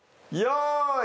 よい。